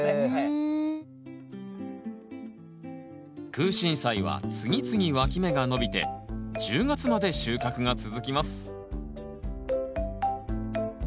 クウシンサイは次々わき芽が伸びて１０月まで収穫が続きます